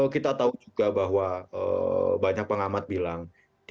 kita tahu juga bahwa banyak pengamat bilang